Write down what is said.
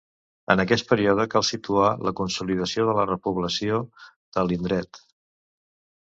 En aquest període cal situar la consolidació de la repoblació de l'indret.